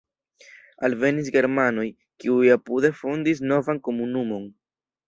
Alvenis germanoj, kiuj apude fondis novan komunumon.